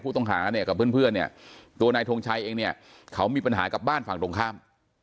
เนี่ยกับเพื่อนเนี่ยตัวนายทงชัยเองเนี่ยเขามีปัญหากับบ้านฝั่งตรงข้าม